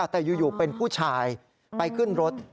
แต่อยู่เป็นผู้ชายไปขึ้นรถ